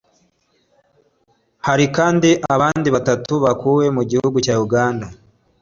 Hari kandi abandi batatu bakuwe mu gihugu cya Uganda